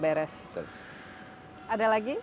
beres ada lagi